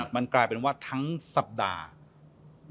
มันกลายเป็นว่าทั้งสัปดาห์